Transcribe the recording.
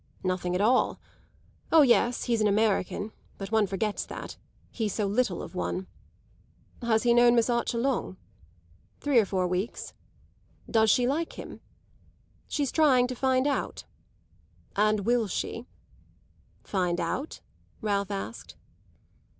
"Nothing at all. Oh yes, he's an American; but one forgets that he's so little of one." "Has he known Miss Archer long?" "Three or four weeks." "Does she like him?" "She's trying to find out." "And will she?" "Find out ?" Ralph asked.